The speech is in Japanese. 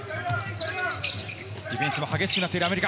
ディフェンスも激しくなっているアメリカ。